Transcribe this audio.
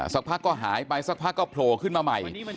สักพักก็หายไปสักพักก็โผล่ขึ้นมาใหม่